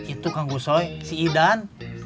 itu kang gusoi si idan